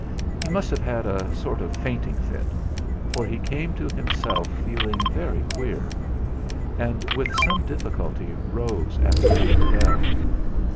He must have had a sort of fainting fit, for he came to himself feeling very queer; and with some difficulty rose and rang the bell.